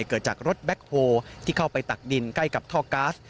เกิดจากรถแบ็คโฮที่เข้าไปตักดินใกล้กับท่อก๊าซ